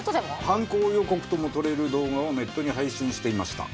犯行予告とも取れる動画をネットに配信していました。